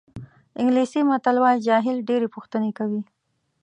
انګلیسي متل وایي جاهل ډېرې پوښتنې کوي.